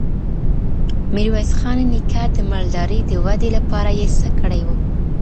ميرويس خان نيکه د مالدارۍ د ودې لپاره یې څه کړي وو؟